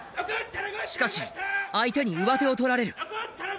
しかし相手に上手を取られる。